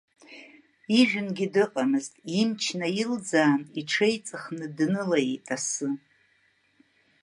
Ижәынгьы дыҟамызт, имч наилӡаан, иҽеиҵыхны днылаиеит асы.